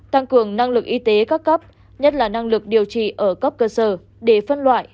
tăng cường năng lực y tế các cấp nhất là năng lực điều trị ở cấp cơ sở để phân loại